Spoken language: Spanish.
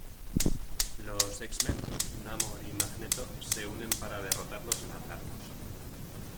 Los X-Men, Namor y Magneto se unen para derrotarlos y matarlos.